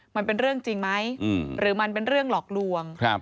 มันเป็นเรื่องจริงไหมหรือมันเป็นเรื่องหลอกลวง